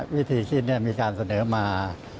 วิธีคิดมีการเสนอมา